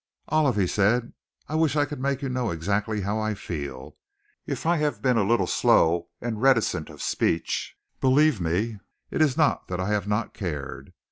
"Olive," he said, "I wish I could make you know exactly how I feel. If I have been a little slow and reticent of speech, believe me, it is not that I have not cared.